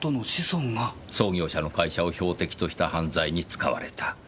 創業者の会社を標的とした犯罪に使われた。